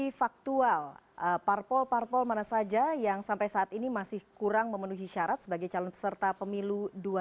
verifikasi faktual parpol parpol mana saja yang sampai saat ini masih kurang memenuhi syarat sebagai calon peserta pemilu dua ribu sembilan belas